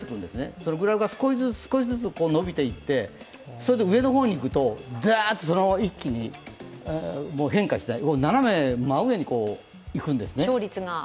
そのグラフが少しずつ伸びていって上の方にいくとダーッとそのまま一気に変化しない、斜め真上に勝率がいくんですね